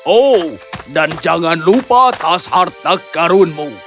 oh dan jangan lupa tas harta karunmu